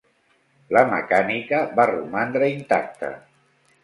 La mecànica va romandre intacta.